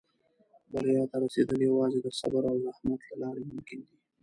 • بریا ته رسېدل یوازې د صبر او زحمت له لارې ممکن دي.